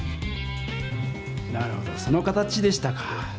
なるほどその形でしたか！